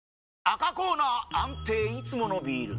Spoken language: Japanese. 赤コーナー安定いつものビール！